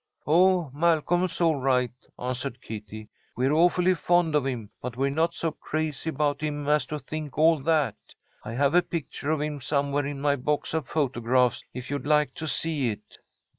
"Oh, Malcolm's all right," answered Kitty. "We're awfully fond of him, but we're not so crazy about him as to think all that. I have a picture of him somewhere in my box of photographs, if you'd like to see it."